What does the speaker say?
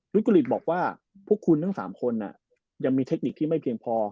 กุลิตบอกว่าพวกคุณทั้ง๓คนยังมีเทคนิคที่ไม่เพียงพอ